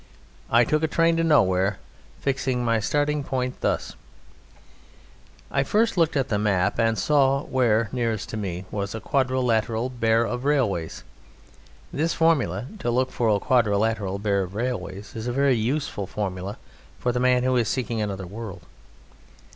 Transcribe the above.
I took a train to nowhere, fixing my starting point thus: I first looked at the map and saw where nearest to me was a quadrilateral bare of railways. This formula, to look for a quadrilateral bare of railways, is a very useful formula for the man who is seeking another world.